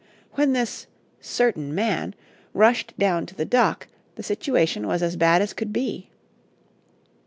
When this "certain man" rushed down to the dock, the situation was as bad as could be.